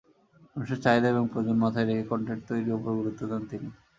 মানুষের চাহিদা এবং প্রয়োজন মাথায় রেখে কনটেন্ট তৈরির ওপর গুরুত্ব দেন তিনি।